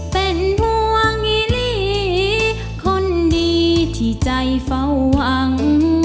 เป็นห่วงอีหลีคนดีที่ใจเฝ้าหวัง